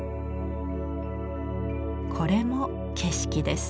これも景色です。